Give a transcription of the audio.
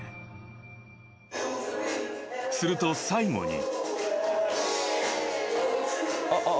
［すると最後に］